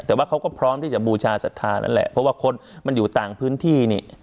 แต่ว่าเขาก็พร้อมที่จะบูชาศรัทธานั่นแหละเพราะว่าคนมันอยู่ต่างพื้นที่นี่